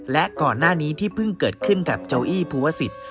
และก่อนหน้านี้ที่เพิ่งเกิดขึ้นกับเจ้าอี้ภูวสิทธิ